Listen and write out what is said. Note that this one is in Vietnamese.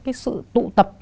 cái sự tụ tập